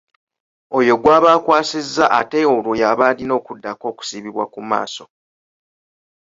Oyo gw’aba akwasizza ate olwo y’aba alina okuddako okusibibwa ku maaso.